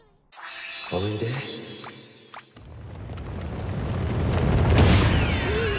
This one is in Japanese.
おいでうん！？